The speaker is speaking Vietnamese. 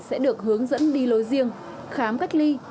sẽ được hướng dẫn đi lối riêng khám cách ly